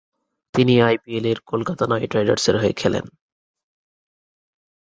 তিনি আইপিএলে কলকাতা নাইট রাইডার্সের হয়ে খেলেন।